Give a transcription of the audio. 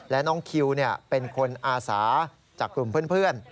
และน้องคิวเป็นคนอาสาจากกลุ่มเพื่อน